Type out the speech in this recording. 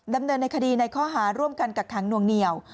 ดำเนินคดีในข้อหาร่วมกันกักขังหน่วงเหนียว